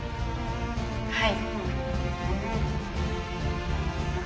はい。